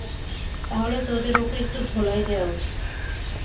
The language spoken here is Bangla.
তাহলে, তোদের ওকে একটু ধোলাই দেয়া উচিত।